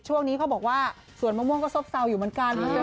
ช่วงนี้เขาบอกว่าสวนมะม่วงก็ซบเศร้าอยู่เหมือนกัน